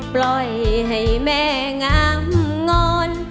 ปล่อยให้แม่งังงอน